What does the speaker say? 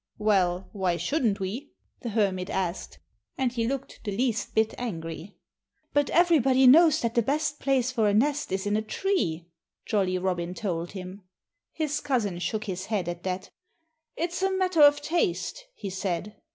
"Well, why shouldn't we?" the Hermit asked. And he looked the least bit angry. "But everybody knows that the best place for a nest is in a tree," Jolly Robin told him. His cousin shook his head at that. "It's a matter of taste," he said.